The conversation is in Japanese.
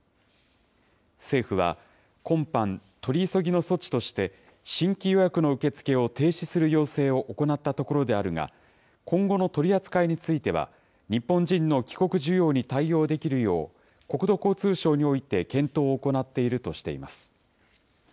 政府は、今般、取り急ぎの措置として新規予約の受け付けを停止する要請を行ったところであるが、今後の取り扱いについては、日本人の帰国需要に対応できるよう、国土交通省において検討を行っているとしています。